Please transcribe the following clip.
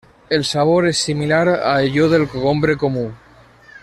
El sabor és similar a allò del cogombre comú.